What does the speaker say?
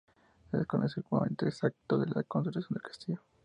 Se desconoce el momento exacto de la construcción del castillo.